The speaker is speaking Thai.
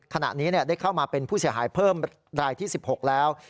ขณะนี้ได้เข้ามาเป็นผู้เสียหายเพิ่มรายที่๑๖แล้ว